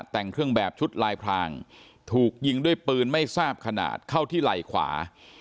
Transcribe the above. แต่งเครื่องแบบชุดลายพรางถูกยิงด้วยปืนไม่ทราบขนาดเข้าที่ไหล่ขวา